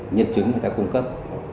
nhận chứng người ta cung cấp